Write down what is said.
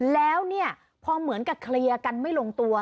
แล้วเนี่ยพอเหมือนกับเคลียร์กันไม่ลงตัว